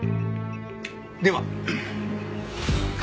では。